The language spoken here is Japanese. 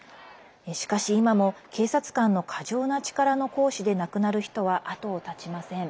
しかし、今も警察官の過剰な力の行使で亡くなる人は後を絶ちません。